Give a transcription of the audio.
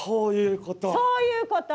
こういうこと。